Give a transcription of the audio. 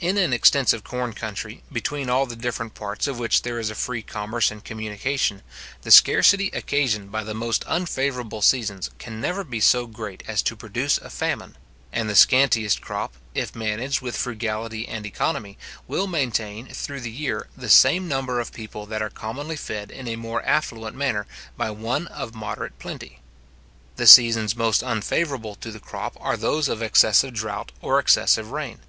In an extensive corn country, between all the different parts of which there is a free commerce and communication, the scarcity occasioned by the most unfavourable seasons can never be so great as to produce a famine; and the scantiest crop, if managed with frugality and economy, will maintain, through the year, the same number of people that are commonly fed in a more affluent manner by one of moderate plenty. The seasons most unfavourable to the crop are those of excessive drought or excessive rain.